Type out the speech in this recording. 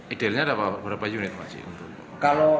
idealnya ada berapa unit pak haji